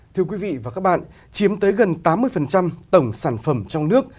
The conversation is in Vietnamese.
thưa quý vị và các bạn chiếm tới gần tám mươi tổng sản phẩm trong nước